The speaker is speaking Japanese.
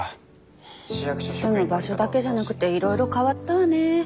住む場所だけじゃなくていろいろ変わったわね。